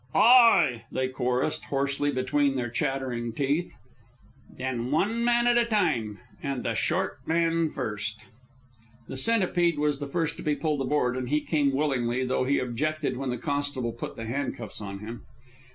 "Ay," they chorused hoarsely between their chattering teeth. "Then one man at a time, and the short men first." The Centipede was the first to be pulled aboard, and he came willingly, though he objected when the constable put the handcuffs on him.